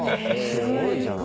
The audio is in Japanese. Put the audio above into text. ・すごいじゃない。